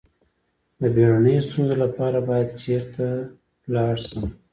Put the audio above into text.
د بیړنیو ستونزو لپاره باید چیرته لاړ شم؟